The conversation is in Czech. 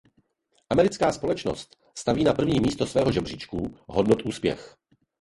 Americká společnost staví na první místo svého žebříčku hodnot úspěch.